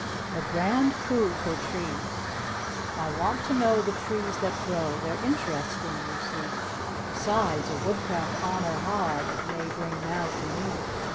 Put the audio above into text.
THE GRAND COUP FOR TREES I want to know the trees that grow, they're interesting, you see; Besides, a woodcraft honour high it may bring now to me.